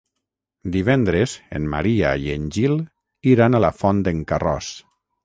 Divendres en Maria i en Gil iran a la Font d'en Carròs.